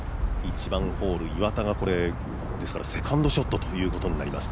１番ホール、岩田がセカンドショットということになります。